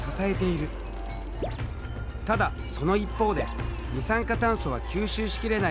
ただその一方で二酸化炭素は吸収しきれないほど増えてしまった。